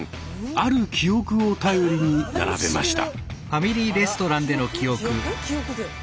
ある記憶を頼りに並べました。